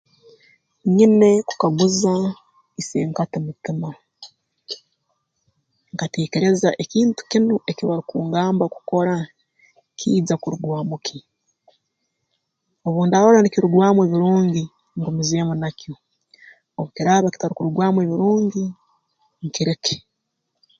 Nyina kukaguza isenkati mutima nkateekereza ekintu kinu ekibarukungamba kukora kiija kurugwamu ki obu ndaarora nikirugwamu ebirungi ngumizeemu nakyo obu kiraaba kitakurugwamu ebirungi nkireke